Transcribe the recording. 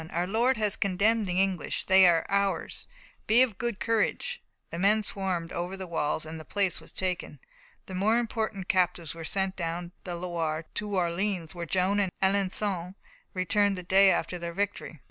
Our Lord has condemned the English! They are ours! Be of good courage!" The men swarmed over the walls, and the place was taken. The more important captives were sent down the Loire to Orleans, where Joan and Alençon returned the day after their victory.